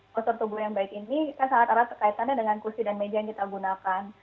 postur tubuh yang baik ini kan sangat erat kaitannya dengan kursi dan meja yang kita gunakan